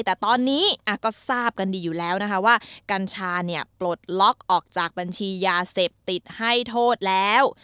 แต่ตอนนี้ก็ทราบกันดีอยู่แล้วนะคะว่ากัญชาเนี่ยปลดล็อกออกจากบัญชียาเสพติดให้โทษแล้ว